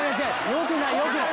よくないよくない！